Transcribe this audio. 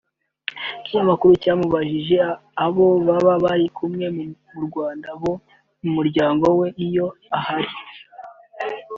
Ikinyamakuru cyamubajije abo baba bari kumwe mu Rwanda bo mu muryango we iyo ahari